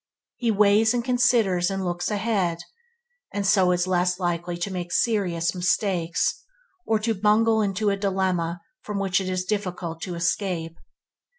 He weights and considers and looks ahead, and so is less likely to make serious mistakes, or to bungle into a dilemma from which it is difficult to escape.